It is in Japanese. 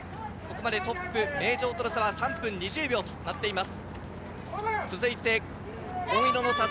トップ・名城との差は３分２０秒となっています。